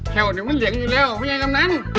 แค่ว่าเดี๋ยวมันเหลืองอยู่แล้วว่ายังงั้นน